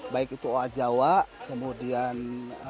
baik itu oajawa kemudian